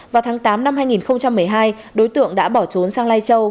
vào tháng tám năm hai nghìn một mươi hai đối tượng đã bỏ trốn sang lai châu